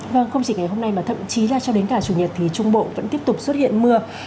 vâng không chỉ ngày hôm nay mà thậm chí là cho đến cả chủ nhật thì trung bộ vẫn tiếp tục xuất hiện mưa